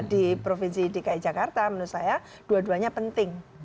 di provinsi dki jakarta menurut saya dua duanya penting